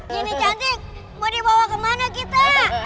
gini cantik mau dibawa kemana kita